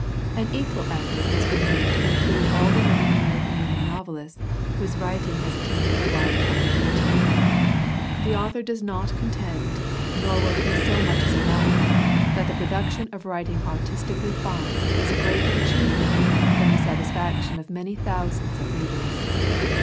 An equal effort has been made to include all the living American women novelists whose writing has attained a wide popularity. The author does not ix x INTRODUCTION contend, nor will he so much as allow, that the pro duction of writing artistically fine is a greater achieve ment than the satisfaction of many thousands of readers.